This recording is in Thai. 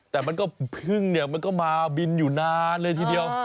แต่มันก็พึ่งเนี่ยมันก็มาบินอยู่นานเลยทีเดียว